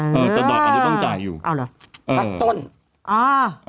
อืมเออสะดอกอันนี้ต้องจ่ายอยู่เอาเหรอเออพักต้นอ่าอ่า